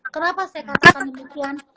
kenapa saya katakan demikian